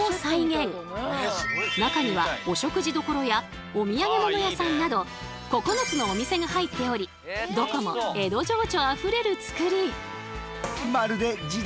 中にはお食事どころやお土産物屋さんなど９つのお店が入っておりどこも江戸情緒あふれるつくり。